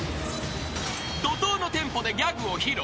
［怒濤のテンポでギャグを披露。